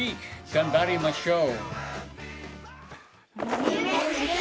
頑張りましょう。